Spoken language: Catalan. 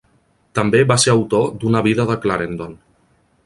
També va ser autor d'una "Vida de Clarendon".